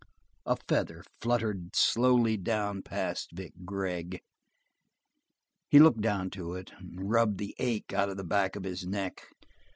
A feather fluttered slowly down past Vic Gregg. He looked down to it, and rubbed the ache out of the back of his neck.